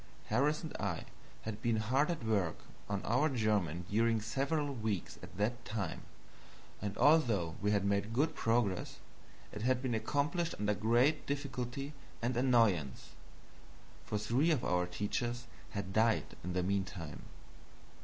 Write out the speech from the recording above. Harris and I had been hard at work on our German during several weeks at that time, and although we had made good progress, it had been accomplished under great difficulty and annoyance, for three of our teachers had died in the mean time.